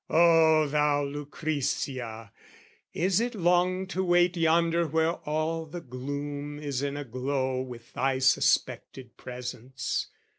O thou Lucrezia, is it long to wait Yonder where all the gloom is in a glow With thy suspected presence?